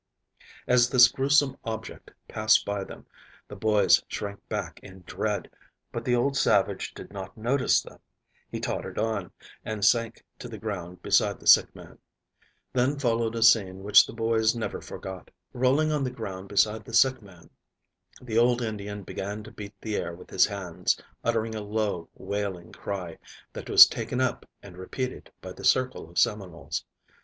As this grewsome object passed by them the boys shrank back in dread, but the old savage did not notice them. He tottered on, and sank to the ground beside the sick man. Then followed a scene which the boys never forgot. Rolling on the ground beside the sick man the old Indian began to beat the air with his hands, uttering a low, wailing cry, that was taken up and repeated by the circle of Seminoles.